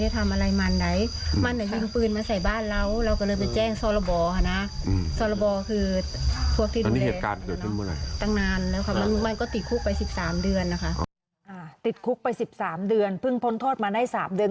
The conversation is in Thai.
ติดคุกไป๑๓เดือนเพิ่งพ้นโทษมาได้๓เดือน